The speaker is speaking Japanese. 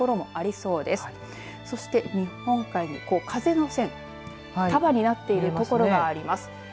そして、日本海に風の線、束になっている所があります。